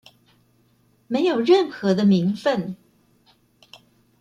沒有任何的名份